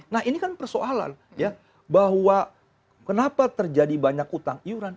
nah ini kan persoalan ya bahwa kenapa terjadi banyak utang iuran